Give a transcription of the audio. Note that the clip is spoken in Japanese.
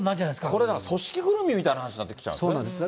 これ、組織ぐるみみたいな話になってきちゃうんですね。